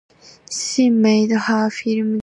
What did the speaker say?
She made her film debut with Life!